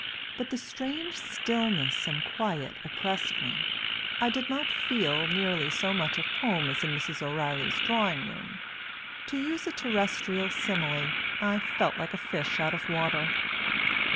But the strange stillness and quiet oppressed me, I did not feel nearly so much at home as in Mrs. O'Reilly's drawing room to use a terrestrial simile, I felt like a fish out of water.